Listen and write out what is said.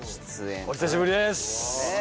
お久しぶりです！